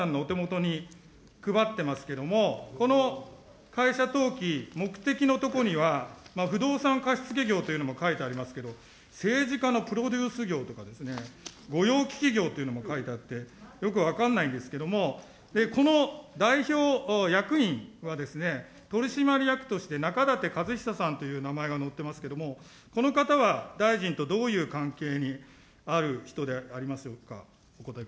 これ払っている２１世紀株式会社の会社登記を皆さんのお手元に配ってますけれども、この会社登記、目的の所には、不動産貸付業というのも書いてありますけど、政治家のプロデュース業とかですね、御用聞き業というのも書いてあって、よく分かんないんですけれども、この代表役員は、取締役としてなかだてかずひささんという名前が載っていますけれども、この方は、大臣とどういう関係にある人でありましょうか。